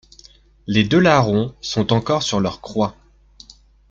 Les Deux Larrons sont encore sur leur croix.